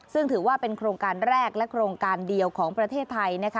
ซึ่งถือว่าเป็นโครงการแรกและโครงการเดียวของประเทศไทยนะคะ